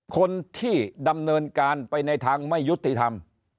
คนที่ดำเนินการไปในทางไม่ยุติธรรม